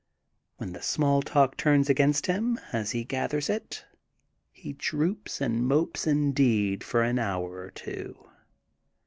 When the small talk turns against him, as he gathers it, he droops and mopes indeed for an hour or two.